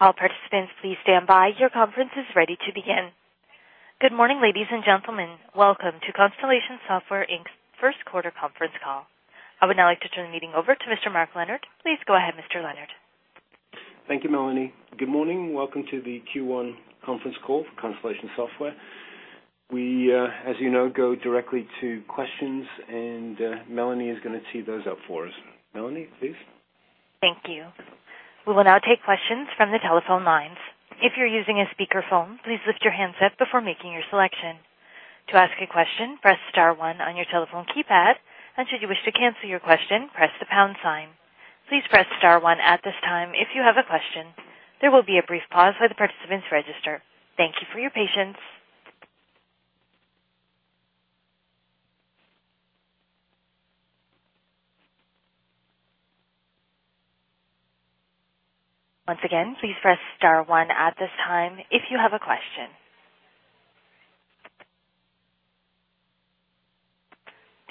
All participants, please stand by. Your conference is ready to begin. Good morning, ladies and gentlemen. Welcome to Constellation Software Inc.'s first quarter conference call. I would now like to turn the meeting over to Mr. Mark Leonard. Please go ahead, Mr. Leonard. Thank you, Melanie. Good morning. Welcome to the Q1 conference call for Constellation Software. We, as you know, go directly to questions. Melanie is going to tee those up for us. Melanie, please. Thank you. We will now take questions from the telephone lines. If you're using a speakerphone, please lift your handset before making your selection. To ask a question, press star one on your telephone keypad. Should you wish to cancel your question, press the pound sign. Please press star one at this time if you have a question. There will be a brief pause while the participants register. Thank you for your patience. Once again, please press star one at this time if you have a question.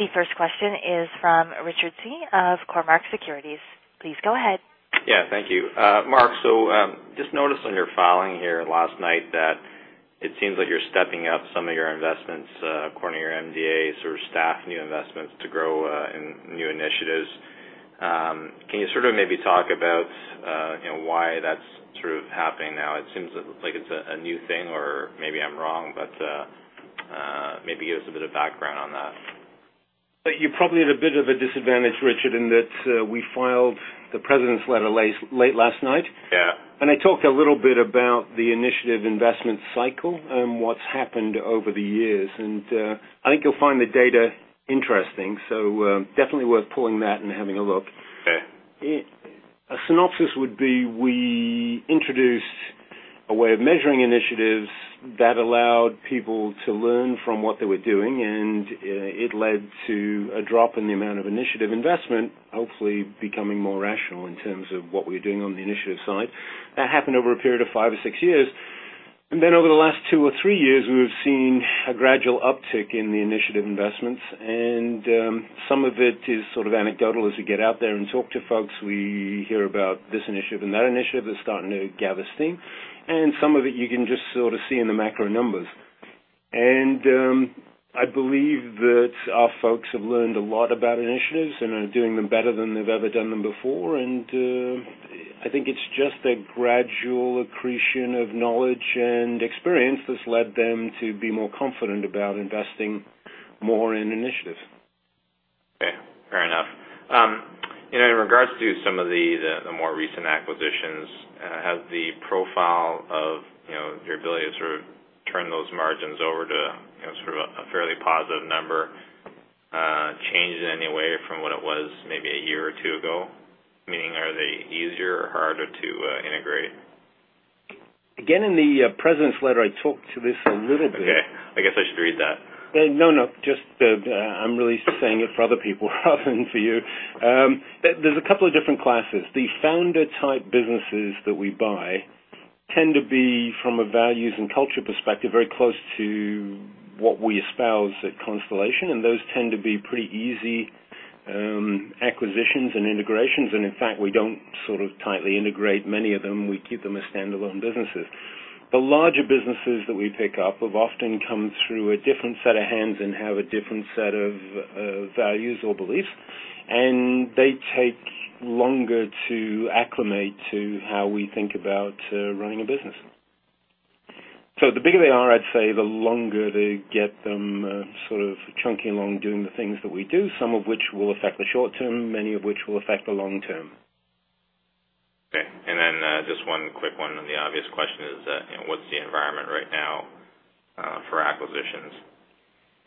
The first question is from Richard Tse of Cormark Securities. Please go ahead. Yeah, thank you. Mark, just noticed on your filing here last night that it seems like you're stepping up some of your investments according to your MDAs or staff new investments to grow in new initiatives. Can you maybe talk about why that's happening now? It seems like it's a new thing, or maybe I'm wrong. Maybe give us a bit of background on that. You're probably at a bit of a disadvantage, Richard, in that we filed the President's Letter late last night. Yeah. I talked a little bit about the initiative investment cycle and what's happened over the years, and I think you'll find the data interesting, so definitely worth pulling that and having a look. Okay. A synopsis would be we introduced a way of measuring initiatives that allowed people to learn from what they were doing, and it led to a drop in the amount of initiative investment, hopefully becoming more rational in terms of what we're doing on the initiative side. That happened over a period of five or six years. Then over the last two or three years, we've seen a gradual uptick in the initiative investments. Some of it is sort of anecdotal. As we get out there and talk to folks, we hear about this initiative and that initiative that's starting to gather steam. Some of it you can just sort of see in the macro numbers. I believe that our folks have learned a lot about initiatives and are doing them better than they've ever done them before. I think it's just a gradual accretion of knowledge and experience that's led them to be more confident about investing more in initiatives. Okay. Fair enough. In regards to some of the more recent acquisitions, has the profile of your ability to sort of turn those margins over to a fairly positive number changed in any way from what it was maybe a year or two ago? Meaning, are they easier or harder to integrate? Again, in the president's letter, I talked to this a little bit. Okay. I guess I should read that. No, no. I'm really saying it for other people rather than for you. There's a couple of different classes. The founder-type businesses that we buy tend to be, from a values and culture perspective, very close to what we espouse at Constellation, and those tend to be pretty easy acquisitions and integrations. In fact, we don't sort of tightly integrate many of them. We keep them as standalone businesses. The larger businesses that we pick up have often come through a different set of hands and have a different set of values or beliefs, and they take longer to acclimate to how we think about running a business. The bigger they are, I'd say, the longer to get them sort of chunky along doing the things that we do, some of which will affect the short term, many of which will affect the long term. Okay. Then just one quick one, the obvious question is, what's the environment right now for acquisitions?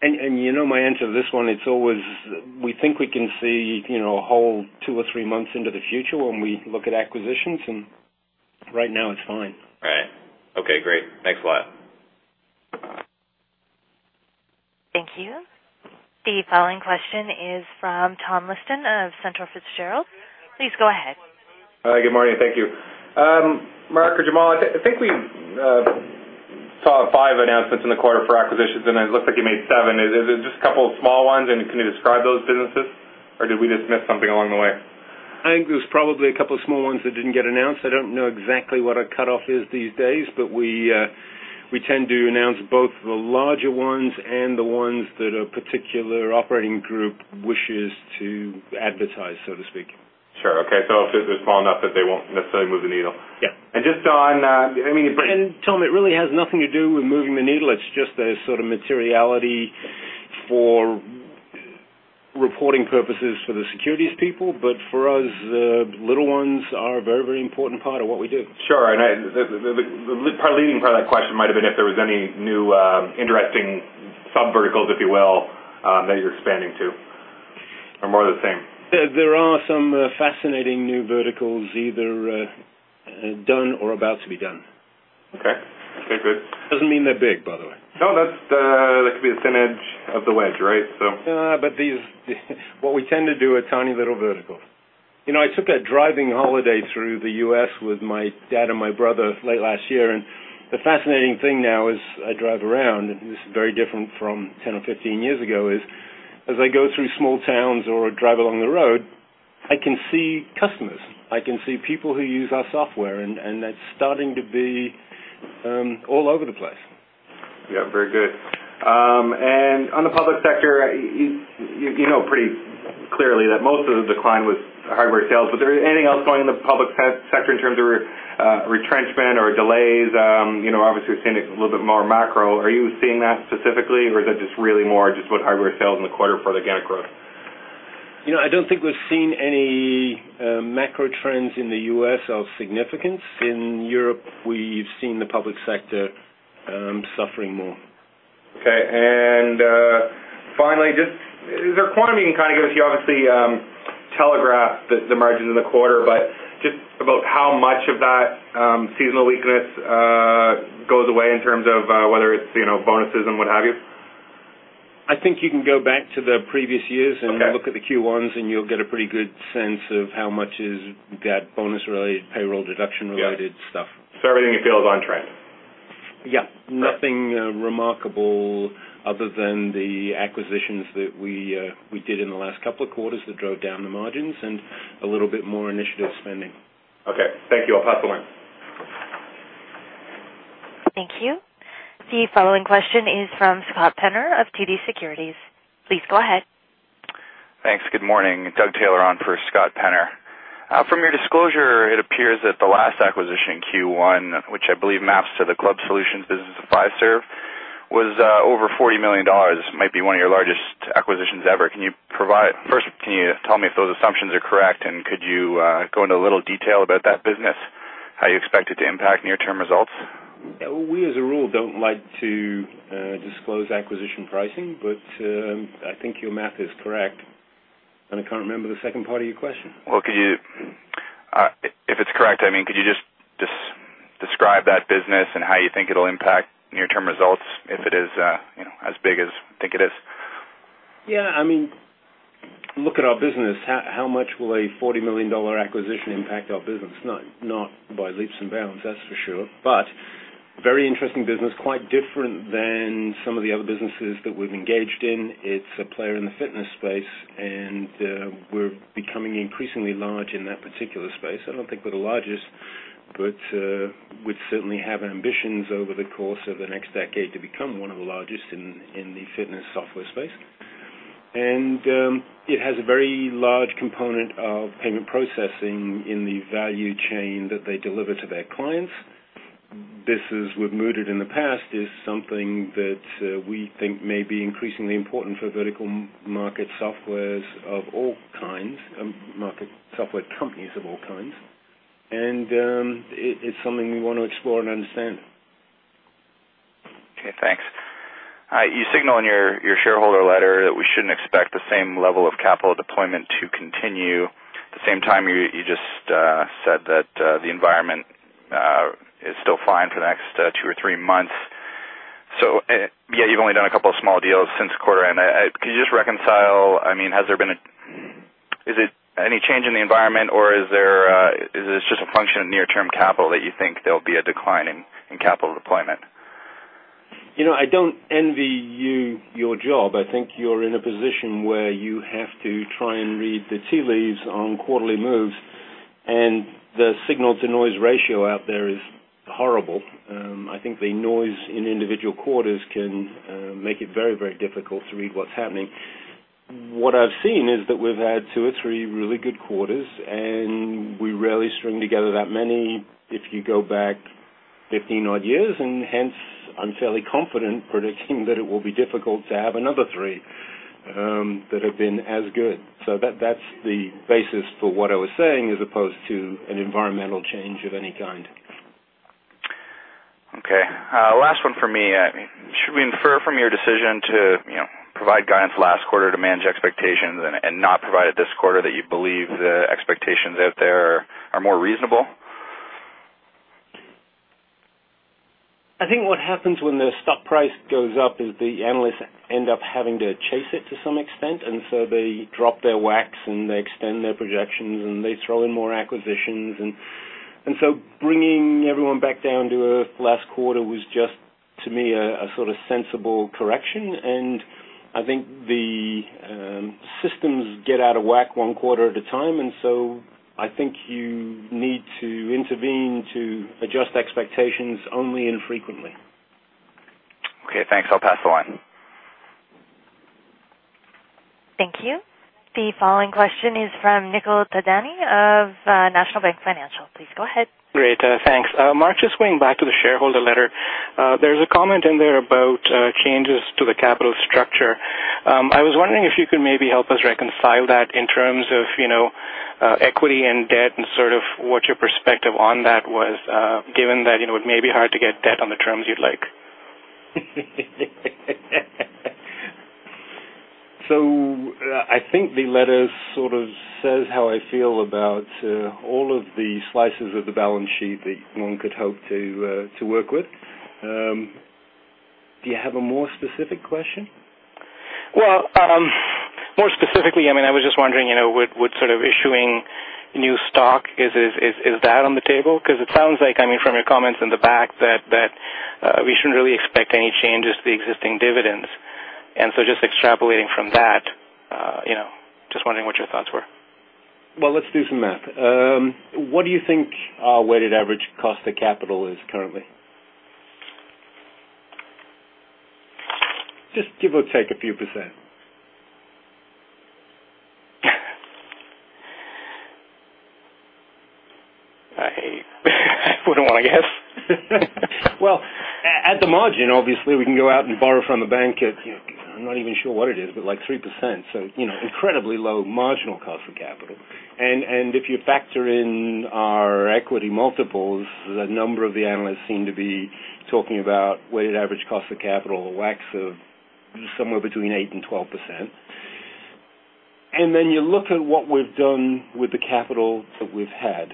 You know my answer to this one, it's always we think we can see a whole two or three months into the future when we look at acquisitions, right now it's fine. Right. Okay, great. Thanks a lot. Thank you. The following question is from Tom Liston of Cantor Fitzgerald. Please go ahead. Hi. Good morning. Thank you. Mark or Jamal, I think we saw five announcements in the quarter for acquisitions, and it looks like you made seven. Is it just a couple of small ones, and can you describe those businesses, or did we just miss something along the way? I think there's probably a couple of small ones that didn't get announced. I don't know exactly what our cutoff is these days, but we tend to announce both the larger ones and the ones that a particular operating group wishes to advertise, so to speak. Sure. Okay. Small enough that they won't necessarily move the needle. Yeah. And just on-- I mean- Tom, it really has nothing to do with moving the needle. It's just a sort of materiality for reporting purposes for the securities people. For us, the little ones are a very, very important part of what we do. Sure. The leading part of that question might have been if there was any new interesting subverticals, if you will, that you're expanding to or more of the same. There are some fascinating new verticals, either done or about to be done. Okay. Good. Doesn't mean they're big, by the way. No, that could be a thin edge of the wedge, right?. These, what we tend to do are tiny little verticals. I took a driving holiday through the U.S. with my dad and my brother late last year, the fascinating thing now as I drive around, this is very different from 10 or 15 years ago, is I go through small towns or drive along the road, I can see customers. I can see people who use our software, that's starting to be all over the place. Yeah. Very good. On the public sector, you know pretty clearly that most of the decline was hardware sales. Was there anything else going in the public sector in terms of retrenchment or delays? Obviously, we're seeing it a little bit more macro. Are you seeing that specifically, or is that just really more just with hardware sales in the quarter for the organic growth? I don't think we've seen any macro trends in the U.S. of significance. In Europe, we've seen the public sector suffering more. Okay. Finally, just is there a point where you can kind of give us, you obviously telegraphed the margins in the quarter, but just about how much of that seasonal weakness goes away in terms of whether it's bonuses and what have you? I think you can go back to the previous years- Okay Look at the Q1s, and you'll get a pretty good sense of how much is that bonus-related, payroll deduction-related stuff. Yeah. Everything you feel is on track? Yeah. Nothing remarkable other than the acquisitions that we did in the last couple of quarters that drove down the margins, and a little bit more initiative spending. Okay. Thank you. I'll pass the line. Thank you. The following question is from Scott Penner of TD Securities. Please go ahead. Thanks. Good morning. Doug Taylor on for Scott Penner. From your disclosure, it appears that the last acquisition in Q1, which I believe maps to the club solutions business of Fiserv, was over 40 million dollars. This might be one of your largest acquisitions ever. First, can you tell me if those assumptions are correct, and could you go into a little detail about that business, how you expect it to impact near-term results? We, as a rule, don't like to disclose acquisition pricing, I think your math is correct. I can't remember the second part of your question. Well, if it's correct, could you just describe that business and how you think it'll impact near-term results if it is as big as you think it is? Yeah. Look at our business. How much will a 40 million dollar acquisition impact our business? Not by leaps and bounds, that's for sure. Very interesting business, quite different than some of the other businesses that we've engaged in. It's a player in the fitness space, and we're becoming increasingly large in that particular space. I don't think we're the largest, we certainly have ambitions over the course of the next decade to become one of the largest in the fitness software space. It has a very large component of payment processing in the value chain that they deliver to their clients. This is, we've mooted in the past, is something that we think may be increasingly important for vertical market softwares of all kinds, market software companies of all kinds. It's something we want to explore and understand. Okay, thanks. You signal in your shareholder letter that we shouldn't expect the same level of capital deployment to continue. At the same time, you just said that the environment is still fine for the next two or three months. Yeah, you've only done a couple of small deals since quarter end. Could you just reconcile, has there been any change in the environment, or is this just a function of near-term capital that you think there'll be a decline in capital deployment? I don't envy you, your job. I think you're in a position where you have to try and read the tea leaves on quarterly moves, and the signal-to-noise ratio out there is horrible. I think the noise in individual quarters can make it very, very difficult to read what's happening. What I've seen is that we've had two or three really good quarters, and we rarely string together that many if you go back 15-odd years, and hence, I'm fairly confident predicting that it will be difficult to have another three that have been as good. That's the basis for what I was saying as opposed to an environmental change of any kind. Okay. Last one from me. Should we infer from your decision to provide guidance last quarter to manage expectations and not provide it this quarter that you believe the expectations out there are more reasonable? I think what happens when the stock price goes up is the analysts end up having to chase it to some extent, and so they drop their WACCs, and they extend their projections, and they throw in more acquisitions. Bringing everyone back down to Earth last quarter was just, to me, a sort of sensible correction, and I think the systems get out of whack one quarter at a time, and so I think you need to intervene to adjust expectations only infrequently. Okay, thanks. I'll pass the line. Thank you. The following question is from Nikhil Thadani of National Bank Financial. Please go ahead. Great. Thanks. Mark, just going back to the shareholder letter. There's a comment in there about changes to the capital structure. I was wondering if you could maybe help us reconcile that in terms of equity and debt and sort of what your perspective on that was, given that it may be hard to get debt on the terms you'd like. I think the letter sort of says how I feel about all of the slices of the balance sheet that one could hope to work with. Do you have a more specific question? Well, more specifically, I was just wondering, would sort of issuing new stock, is that on the table? Because it sounds like, from your comments in the back that we shouldn't really expect any changes to the existing dividends. Just extrapolating from that, just wondering what your thoughts were. Well, let's do some math. What do you think our weighted average cost of capital is currently? Just give or take a few %. I wouldn't want to guess. Well, at the margin, obviously, we can go out and borrow from the bank at, I'm not even sure what it is, but 3%. Incredibly low marginal cost of capital. If you factor in our equity multiples, the number of the analysts seem to be talking about weighted average cost of capital, or WACC, of somewhere between 8% and 12%. Then you look at what we've done with the capital that we've had,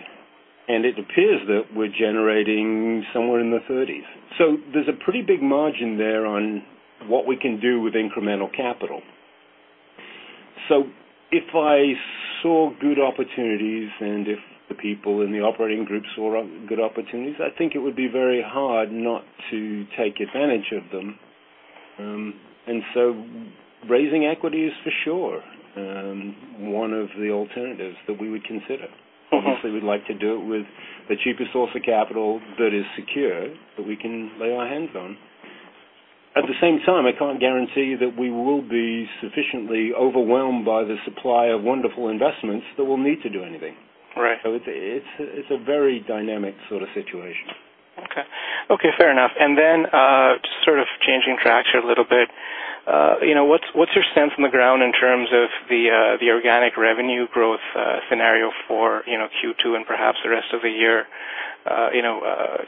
and it appears that we're generating somewhere in the 30s. There's a pretty big margin there on what we can do with incremental capital. If I saw good opportunities, and if the people in the operating groups saw good opportunities, I think it would be very hard not to take advantage of them. Raising equity is for sure one of the alternatives that we would consider. Obviously, we'd like to do it with the cheapest source of capital that is secure, that we can lay our hands on. At the same time, I can't guarantee that we will be sufficiently overwhelmed by the supply of wonderful investments that we'll need to do anything. Right. It's a very dynamic sort of situation. Okay. Fair enough. Just changing tracks here a little bit. What's your sense on the ground in terms of the organic revenue growth scenario for Q2 and perhaps the rest of the year?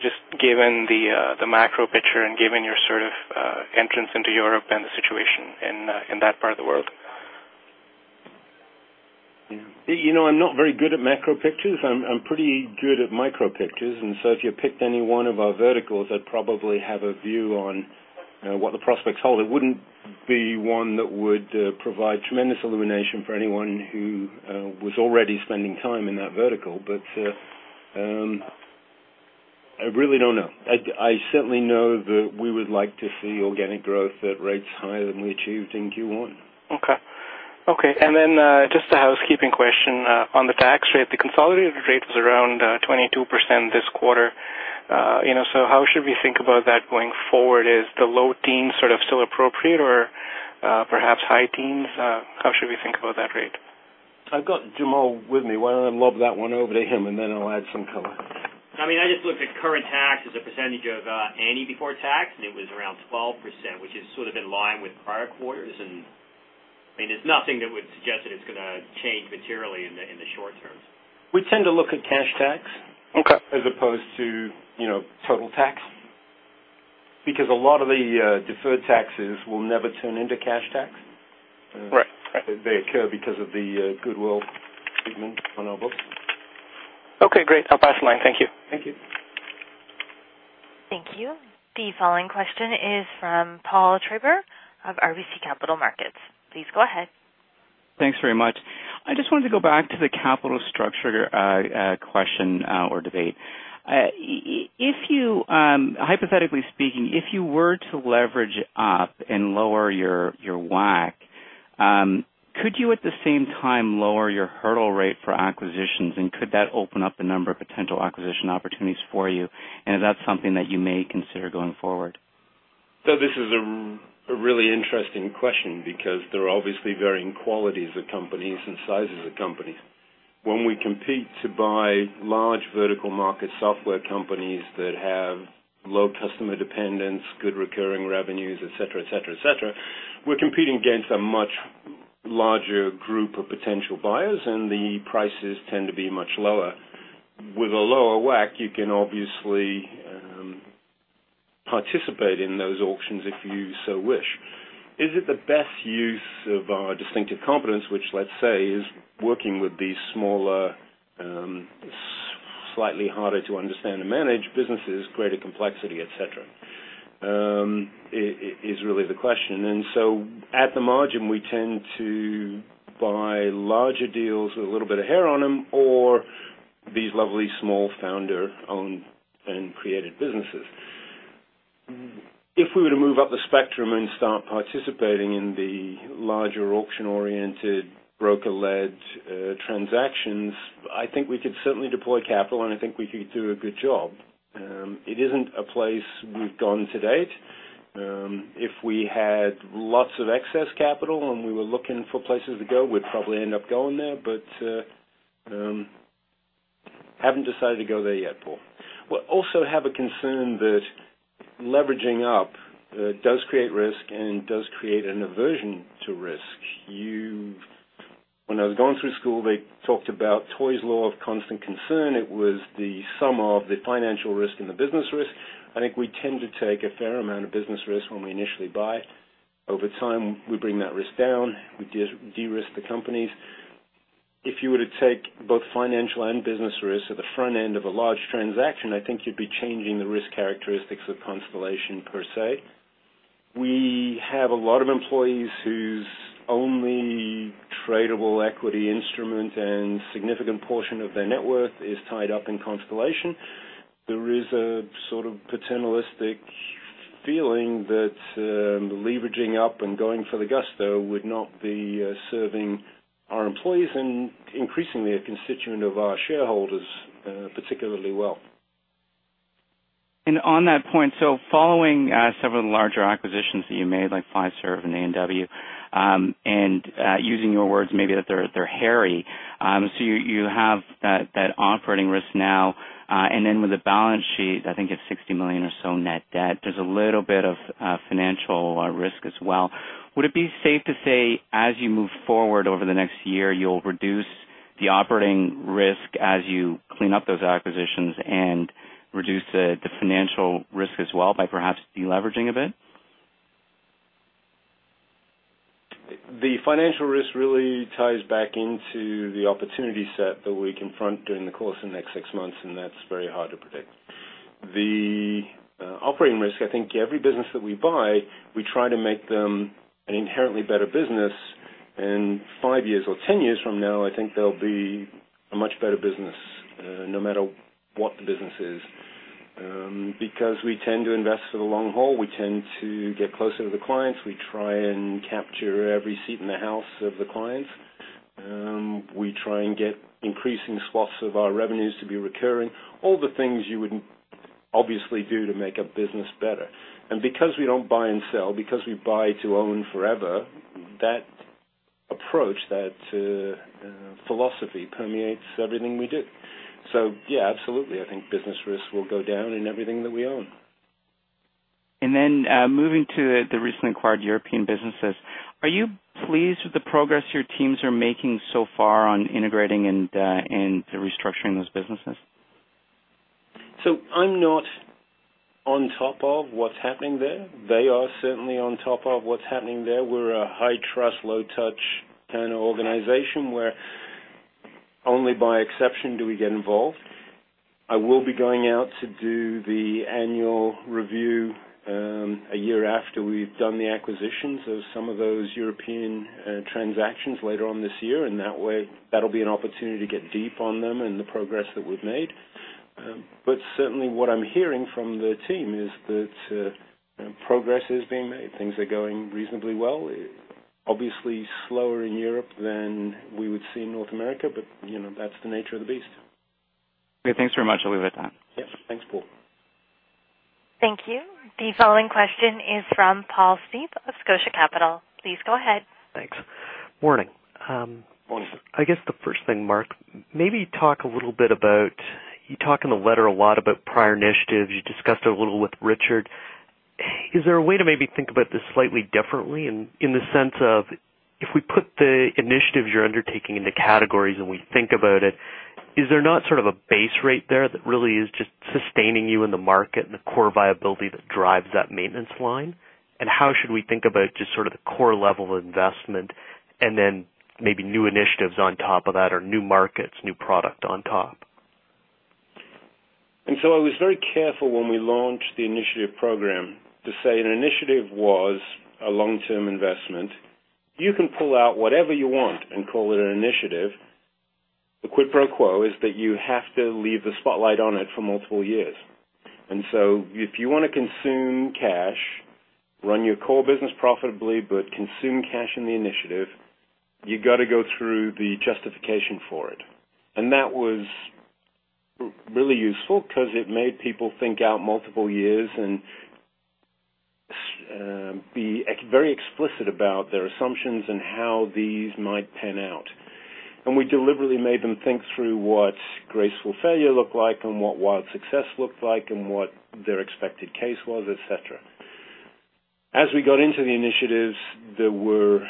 Just given the macro picture and given your entrance into Europe and the situation in that part of the world. I'm not very good at macro pictures. I'm pretty good at micro pictures. If you picked any one of our verticals, I'd probably have a view on what the prospects hold. It wouldn't be one that would provide tremendous illumination for anyone who was already spending time in that vertical. I really don't know. I certainly know that we would like to see organic growth at rates higher than we achieved in Q1. Okay. Just a housekeeping question on the tax rate. The consolidated rate was around 22% this quarter. How should we think about that going forward? Is the low teens still appropriate or perhaps high teens? How should we think about that rate? I've got Jamal with me. Why don't I lob that one over to him, and then I'll add some color. I just looked at current tax as a percentage of [A&E before tax]. It was around 12%, which is in line with prior quarters. It's nothing that would suggest that it's going to change materially in the short term. We tend to look at cash tax- Okay as opposed to total tax. A lot of the deferred taxes will never turn into cash tax. Right. They occur because of the goodwill treatment on our books. Okay, great. I'll pass the line. Thank you. Thank you. Thank you. The following question is from Paul Treiber of RBC Capital Markets. Please go ahead. Thanks very much. I just wanted to go back to the capital structure question or debate. Hypothetically speaking, if you were to leverage up and lower your WACC, could you, at the same time, lower your hurdle rate for acquisitions? Could that open up a number of potential acquisition opportunities for you? Is that something that you may consider going forward? This is a really interesting question because there are obviously varying qualities of companies and sizes of companies. When we compete to buy large vertical market software companies that have low customer dependence, good recurring revenues, et cetera. We're competing against a much larger group of potential buyers, and the prices tend to be much lower. With a lower WACC, you can obviously participate in those auctions if you so wish. Is it the best use of our distinctive competence, which, let's say, is working with these smaller, slightly harder to understand and manage businesses, greater complexity, et cetera, is really the question. At the margin, we tend to buy larger deals with a little bit of hair on them or these lovely small founder-owned and created businesses. If we were to move up the spectrum and start participating in the larger auction-oriented broker-led transactions, I think we could certainly deploy capital, and I think we could do a good job. It isn't a place we've gone to date. If we had lots of excess capital and we were looking for places to go, we'd probably end up going there, but haven't decided to go there yet, Paul. We also have a concern that leveraging up does create risk and does create an aversion to risk. When I was going through school, they talked about Hoyt's Law of constant concern. It was the sum of the financial risk and the business risk. I think we tend to take a fair amount of business risk when we initially buy. Over time, we bring that risk down. We de-risk the companies. If you were to take both financial and business risks at the front end of a large transaction, I think you'd be changing the risk characteristics of Constellation per se. We have a lot of employees whose only tradable equity instrument and significant portion of their net worth is tied up in Constellation. There is a sort of paternalistic feeling that leveraging up and going for the gusto would not be serving our employees and increasingly a constituent of our shareholders particularly well. On that point, following several larger acquisitions that you made, like Fiserv and A&W, and using your words maybe that they're hairy. You have that operating risk now, and then with the balance sheet, I think it's 60 million or so net debt. There's a little bit of financial risk as well. Would it be safe to say, as you move forward over the next year, you'll reduce the operating risk as you clean up those acquisitions and reduce the financial risk as well by perhaps de-leveraging a bit? The financial risk really ties back into the opportunity set that we confront during the course of the next six months, and that's very hard to predict. The operating risk, I think every business that we buy, we try to make them an inherently better business, and five years or 10 years from now, I think they'll be a much better business, no matter what the business is. Because we tend to invest for the long haul. We tend to get closer to the clients. We try and capture every seat in the house of the clients. We try and get increasing swaths of our revenues to be recurring. All the things you would obviously do to make a business better. Because we don't buy and sell, because we buy to own forever, that approach, that philosophy permeates everything we do. Yeah, absolutely, I think business risk will go down in everything that we own. Moving to the recently acquired European businesses, are you pleased with the progress your teams are making so far on integrating and de-restructuring those businesses? I'm not on top of what's happening there. They are certainly on top of what's happening there. We're a high trust, low touch kind of organization where only by exception do we get involved. I will be going out to do the annual review, a year after we've done the acquisitions of some of those European transactions later on this year, and that way, that'll be an opportunity to get deep on them and the progress that we've made. Certainly what I'm hearing from the team is that progress is being made. Things are going reasonably well. Obviously slower in Europe than we would see in North America, but that's the nature of the beast. Okay, thanks very much. I'll leave it at that. Yeah. Thanks, Paul. Thank you. The following question is from Paul Steep of Scotia Capital. Please go ahead. Thanks. Morning. Morning. I guess the first thing, Mark, maybe talk a little bit about You talk in the letter a lot about prior initiatives. You discussed it a little with Richard. Is there a way to maybe think about this slightly differently in the sense of, if we put the initiatives you're undertaking into categories and we think about it, is there not sort of a base rate there that really is just sustaining you in the market and the core viability that drives that maintenance line? How should we think about just sort of the core level investment and then maybe new initiatives on top of that, or new markets, new product on top? I was very careful when we launched the initiative program to say an initiative was a long-term investment. You can pull out whatever you want and call it an initiative. The quid pro quo is that you have to leave the spotlight on it for multiple years. If you want to consume cash, run your core business profitably, but consume cash in the initiative, you got to go through the justification for it. That was really useful because it made people think out multiple years and be very explicit about their assumptions and how these might pan out. We deliberately made them think through what graceful failure looked like and what wild success looked like and what their expected case was, et cetera. As we got into the initiatives, there were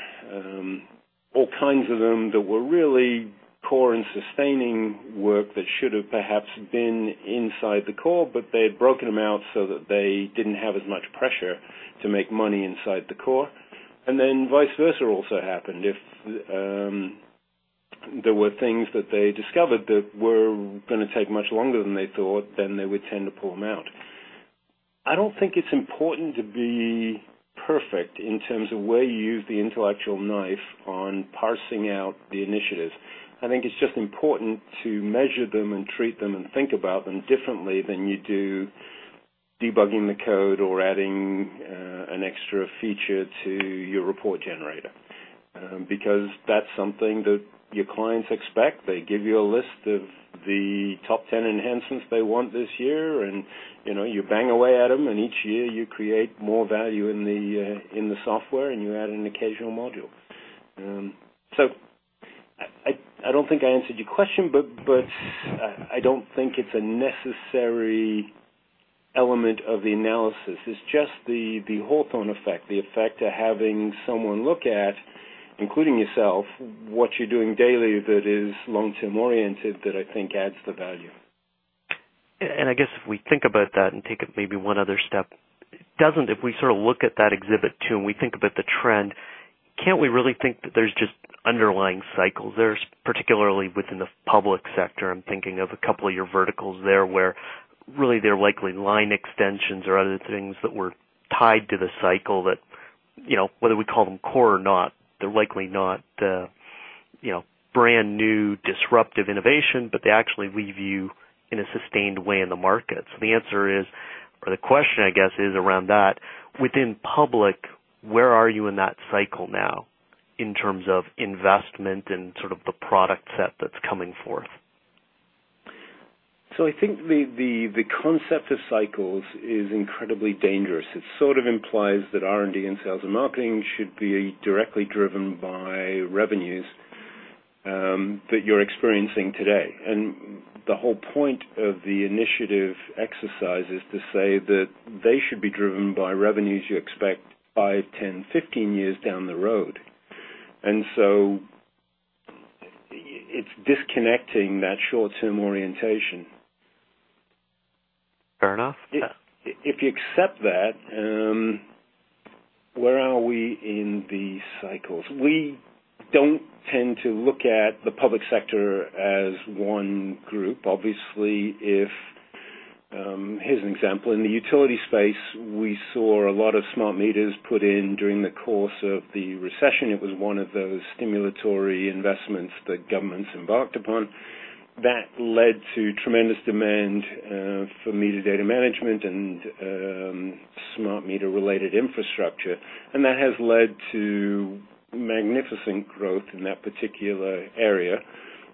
all kinds of them that were really core and sustaining work that should have perhaps been inside the core, but they had broken them out so that they didn't have as much pressure to make money inside the core. Vice versa also happened. If there were things that they discovered that were going to take much longer than they thought, then they would tend to pull them out. I don't think it's important to be perfect in terms of where you use the intellectual knife on parsing out the initiatives. I think it's just important to measure them and treat them and think about them differently than you do debugging the code or adding an extra feature to your report generator. Because that's something that your clients expect. They give you a list of the top 10 enhancements they want this year, and you bang away at them, and each year you create more value in the software, and you add an occasional module. I don't think I answered your question, but I don't think it's a necessary element of the analysis. It's just the Hawthorne effect. The effect of having someone look at, including yourself, what you're doing daily that is long-term oriented that I think adds the value. I guess if we think about that and take it maybe one other step. If we sort of look at that exhibit two and we think about the trend, can't we really think that there's just underlying cycles? There's, particularly within the public sector, I'm thinking of a couple of your verticals there, where really they're likely line extensions or other things that were tied to the cycle that, whether we call them core or not, they're likely not brand new disruptive innovation, but they actually weave you in a sustained way in the market. The answer is, or the question, I guess, is around that. Within public, where are you in that cycle now in terms of investment and sort of the product set that's coming forth? I think the concept of cycles is incredibly dangerous. It sort of implies that R&D and sales and marketing should be directly driven by revenues that you're experiencing today. The whole point of the initiative exercise is to say that they should be driven by revenues you expect five, 10, 15 years down the road. It's disconnecting that short-term orientation. Fair enough. Yeah. If you accept that, where are we in the cycles? We don't tend to look at the public sector as one group. Obviously, here's an example. In the utility space, we saw a lot of smart meters put in during the course of the recession. It was one of those stimulatory investments that governments embarked upon. That led to tremendous demand for metadata management and smart meter-related infrastructure. That has led to magnificent growth in that particular area.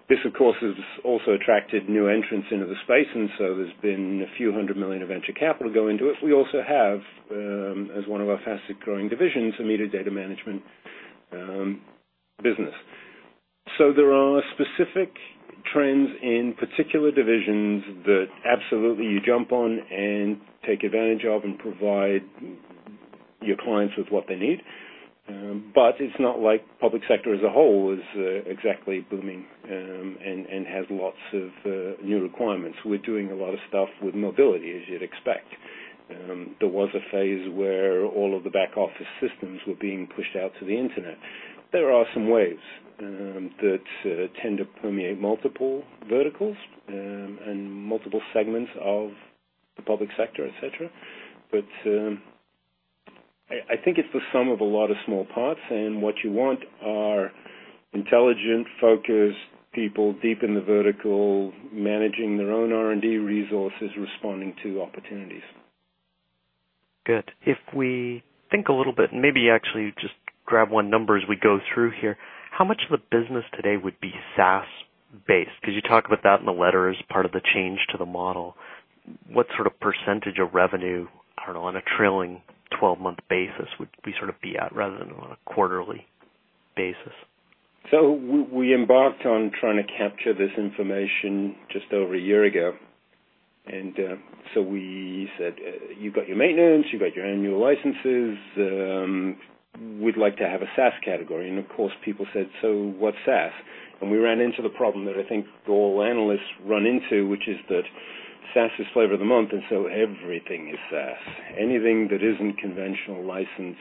This, of course, has also attracted new entrants into the space, there's been a few hundred million of venture capital go into it. We also have, as one of our fastest-growing divisions, a metadata management business. There are specific trends in particular divisions that absolutely you jump on and take advantage of and provide your clients with what they need. It's not like public sector as a whole is exactly booming and has lots of new requirements. We're doing a lot of stuff with mobility, as you'd expect. There was a phase where all of the back office systems were being pushed out to the Internet. There are some waves that tend to permeate multiple verticals and multiple segments of the public sector, et cetera. I think it's the sum of a lot of small parts, and what you want are intelligent, focused people deep in the vertical, managing their own R&D resources, responding to opportunities. Good. If we think a little bit, maybe actually just grab one number as we go through here, how much of the business today would be SaaS-based? Because you talk about that in the letter as part of the change to the model. What sort of % of revenue, I don't know, on a trailing 12-month basis would we sort of be at rather than on a quarterly basis? We embarked on trying to capture this information just over a year ago. We said, "You've got your maintenance, you've got your annual licenses. We'd like to have a SaaS category." Of course, people said, "What's SaaS?" We ran into the problem that I think all analysts run into, which is that SaaS is flavor of the month, everything is SaaS. Anything that isn't conventional license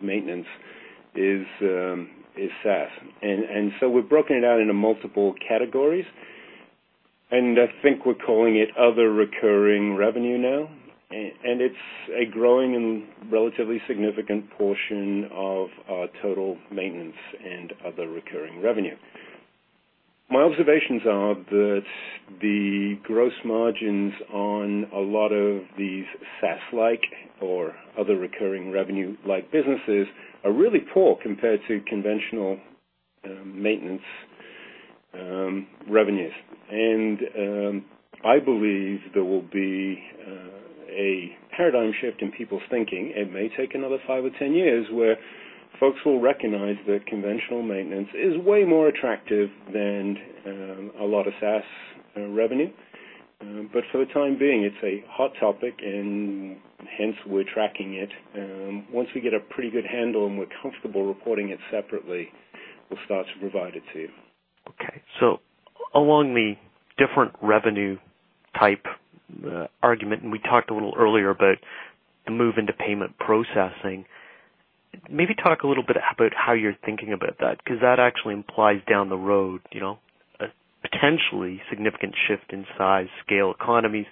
maintenance is SaaS. We've broken it out into multiple categories. I think we're calling it other recurring revenue now. It's a growing and relatively significant portion of our total maintenance and other recurring revenue. My observations are that the gross margins on a lot of these SaaS-like or other recurring revenue-like businesses are really poor compared to conventional maintenance revenues. I believe there will be a paradigm shift in people's thinking. It may take another five or 10 years where folks will recognize that conventional maintenance is way more attractive than a lot of SaaS revenue. For the time being, it's a hot topic and hence we're tracking it. Once we get a pretty good handle and we're comfortable reporting it separately, we'll start to provide it to you. Okay. Along the different revenue type argument, we talked a little earlier about the move into payment processing. Maybe talk a little bit about how you're thinking about that, because that actually implies down the road, a potentially significant shift in size, scale economies,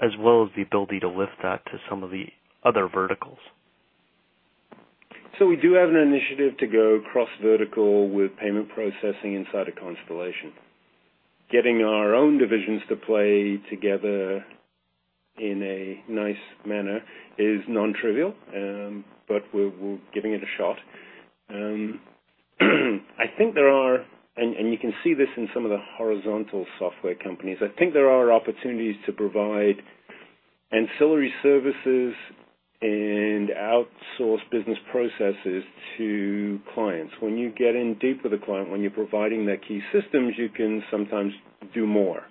as well as the ability to lift that to some of the other verticals. We do have an initiative to go cross-vertical with payment processing inside of Constellation. Getting our own divisions to play together in a nice manner is non-trivial. We're giving it a shot. You can see this in some of the horizontal software companies. I think there are opportunities to provide ancillary services and outsource business processes to clients. When you get in deep with a client, when you're providing their key systems, you can sometimes do more.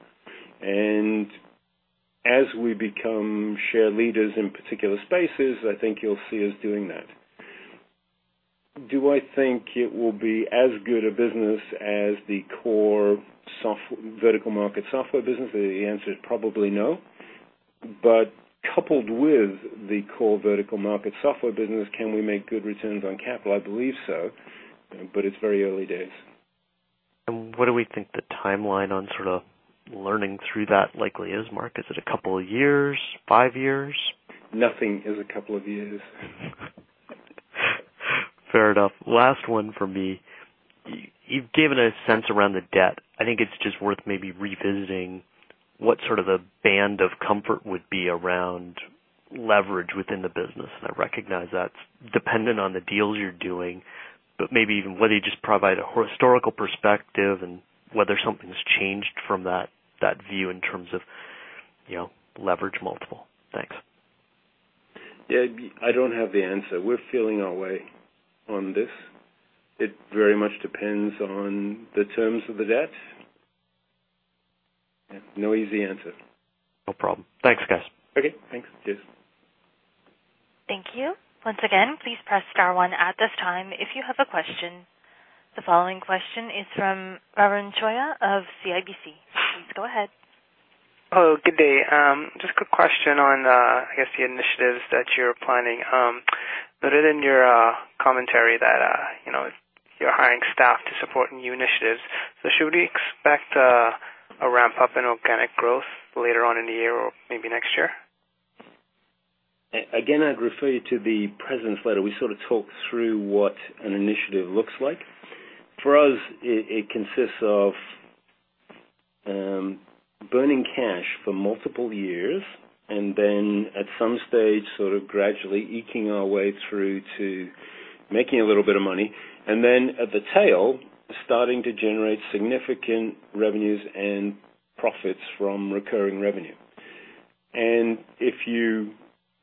As we become share leaders in particular spaces, I think you'll see us doing that. Do I think it will be as good a business as the core vertical market software business? The answer is probably no. Coupled with the core vertical market software business, can we make good returns on capital? I believe so, but it's very early days. What do we think the timeline on sort of learning through that likely is, Mark? Is it a couple of years? Five years? Nothing is a couple of years. Fair enough. Last one from me. You've given a sense around the debt. I think it's just worth maybe revisiting what sort of a band of comfort would be around leverage within the business. I recognize that's dependent on the deals you're doing, but maybe even whether you just provide a historical perspective and whether something's changed from that view in terms of leverage multiple. Thanks. Yeah. I don't have the answer. We're feeling our way on this. It very much depends on the terms of the debt. No easy answer. No problem. Thanks, guys. Okay, thanks. Cheers. Thank you. Once again, please press star one at this time if you have a question. The following question is from Ravind Chhaya of CIBC. Please go ahead. Hello, good day. Just a quick question on, I guess, the initiatives that you're planning. Noted in your commentary that you're hiring staff to support new initiatives. Should we expect a ramp-up in organic growth later on in the year or maybe next year? Again, I'd refer you to the President's Letter. We sort of talk through what an initiative looks like. For us, it consists of burning cash for multiple years and then at some stage, sort of gradually eking our way through to making a little bit of money. Then at the tail, starting to generate significant revenues and profits from recurring revenue. If you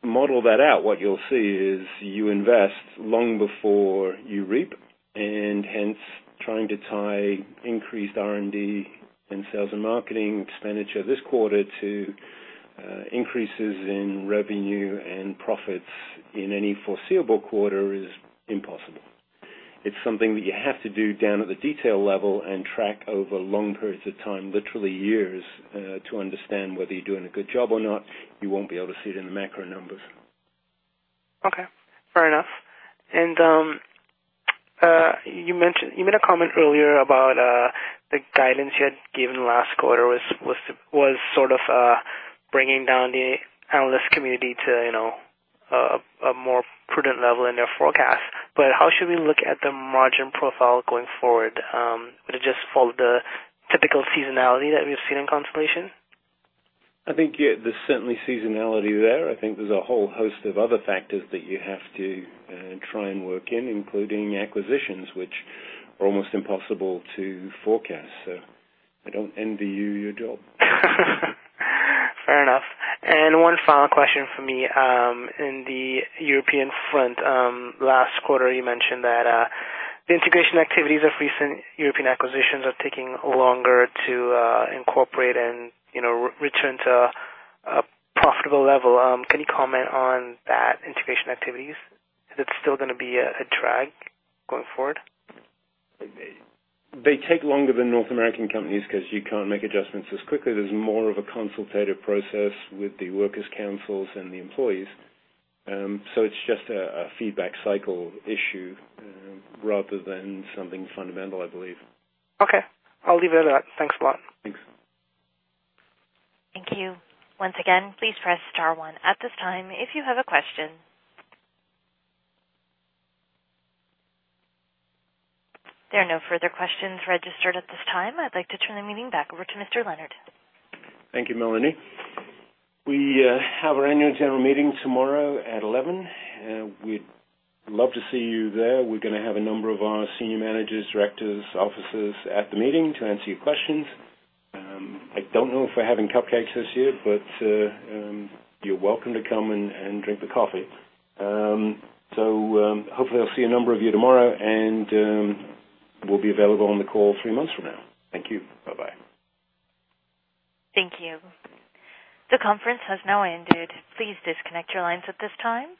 model that out, what you'll see is you invest long before you reap, and hence trying to tie increased R&D and sales and marketing expenditure this quarter to increases in revenue and profits in any foreseeable quarter is impossible. It's something that you have to do down at the detail level and track over long periods of time, literally years, to understand whether you're doing a good job or not. You won't be able to see it in the macro numbers. Okay. Fair enough. You made a comment earlier about the guidance you had given last quarter was sort of bringing down the analyst community to a more prudent level in their forecast. How should we look at the margin profile going forward? Would it just follow the typical seasonality that we've seen in Constellation? I think, yeah, there's certainly seasonality there. I think there's a whole host of other factors that you have to try and work in, including acquisitions, which are almost impossible to forecast. I don't envy you your job. Fair enough. One final question from me. In the European front, last quarter, you mentioned that the integration activities of recent European acquisitions are taking longer to incorporate and return to a profitable level. Can you comment on that integration activities? Is it still going to be a drag going forward? They take longer than North American companies because you can't make adjustments as quickly. There's more of a consultative process with the workers' councils and the employees. It's just a feedback cycle issue rather than something fundamental, I believe. Okay. I'll leave it at that. Thanks a lot. Thanks. Thank you. Once again, please press star one at this time if you have a question. There are no further questions registered at this time. I'd like to turn the meeting back over to Mr. Leonard. Thank you, Melanie. We have our annual general meeting tomorrow at eleven. We'd love to see you there. We're going to have a number of our senior managers, directors, officers at the meeting to answer your questions. I don't know if we're having cupcakes this year, but you're welcome to come and drink the coffee. Hopefully I'll see a number of you tomorrow, and we'll be available on the call three months from now. Thank you. Bye-bye. Thank you. The conference has now ended. Please disconnect your lines at this time.